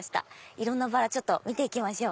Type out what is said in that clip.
いろんなバラ見て行きましょう。